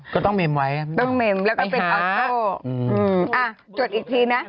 ก็ต้องเม็มไว้ไปหาอืมอืมอ่ะจดอีกทีนะ